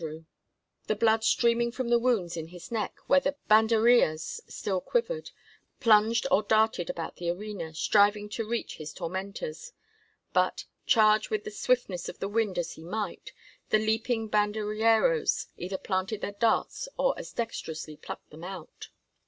The bull, the blood streaming from the wounds in his neck where the banderillas still quivered, plunged or darted about the arena, striving to reach his tormentors; but, charge with the swiftness of the wind as he might, the leaping banderilleros either planted their darts or as dexterously plucked them out.